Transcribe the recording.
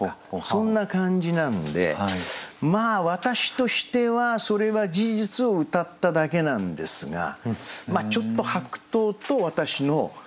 そんな感じなんでまあ私としてはそれは事実をうたっただけなんですがちょっと白桃と私の孤独孤独感っていうかな。